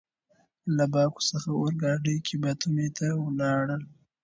له باکو څخه اورګاډي کې باتومي ته ولاړ.